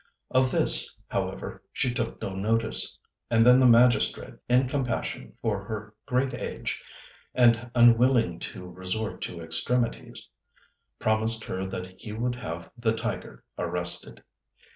Of this, however, she took no notice; and then the magistrate, in compassion for her great age and unwilling to resort to extremities, promised her that he would have the tiger arrested.